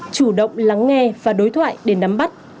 chủ động lắng nghe và đối thoại để nắm bắt